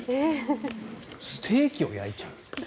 ステーキを焼いちゃう。